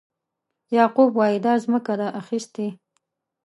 یعقوب وایي دا ځمکه ده اخیستې.